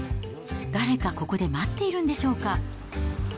誰かここで待っているんでしょうか。